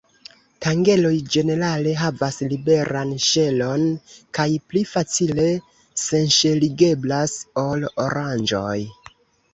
Tangeloj ĝenerale havas liberan ŝelon kaj pli facile senŝeligeblas ol oranĝoj.